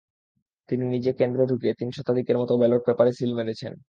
তিনি নিজে কেন্দ্রে ঢুকে তিন শতাধিকের মতো ব্যালট পেপারে সিল মেরেছেন।